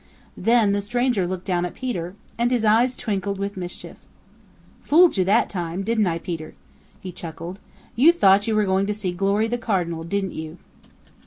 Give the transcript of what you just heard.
Then the stranger looked down at Peter, and his eyes twinkled with mischief. "Fooled you that time, didn't I, Peter?" he chuckled. "You thought you were going to see Glory the Cardinal, didn't you?"